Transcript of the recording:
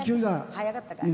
早かったか。